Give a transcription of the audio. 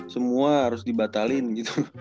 semua harus dibatalin gitu